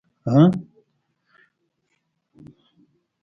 واکمن پاړکي غلامان کروندو کې جبري کار ته اړ اېستل